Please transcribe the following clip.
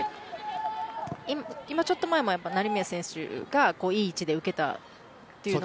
今、ちょっと前も成宮選手がいい位置で受けた。